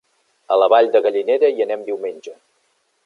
A la Vall de Gallinera hi anem diumenge.